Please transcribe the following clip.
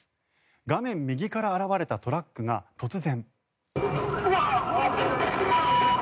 画面右から現れたトラックが突然。